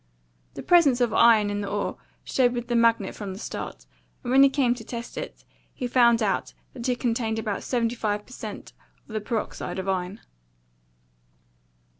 The presence of iron in the ore showed with the magnet from the start; and when he came to test it, he found out that it contained about seventy five per cent. of the peroxide of iron."